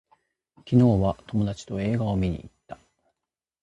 昨日は友達と映画を見に行った